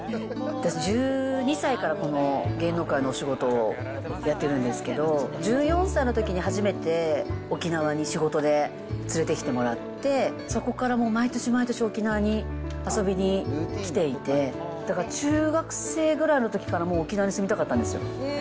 私、１２歳から、この芸能界のお仕事をやってるんですけど、１４歳のときに初めて、沖縄に仕事で連れてきてもらって、そこからもう毎年毎年沖縄に遊びに来ていて、だから中学生ぐらいのときから、もう沖縄に住みたかったんですよ。